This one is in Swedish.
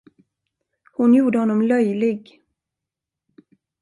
Hon gjorde honom löjlig.